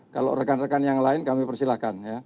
kalau rekan rekan yang lain kami persilahkan